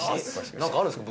何かあるんすか？